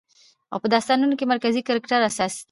او په داستانونو کې مرکزي کرکټر اساس وي